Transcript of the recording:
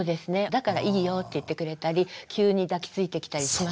だからいいよって言ってくれたり急に抱きついてきたりしますよ。